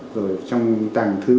rồi trong tàng thư